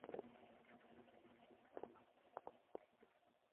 Iro ok dum maonge mach